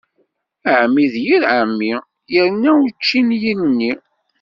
Ɛemmi d yir ɛemmi, irna učči n yilni.